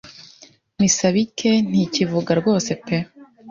Misabike ntikivuga rwose pe